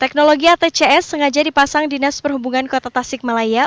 teknologi atcs sengaja dipasang dinas perhubungan kota tasik malaya